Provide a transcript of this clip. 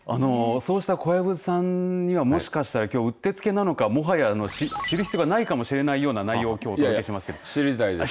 そうした小籔さんにはもしかしたらきょうは、うってつけなのかもはや知る必要がないかもしれないような内容をきょうはお知らせします。